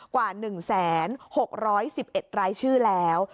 กว่า๑๖๑๑รายชื่อแล้ว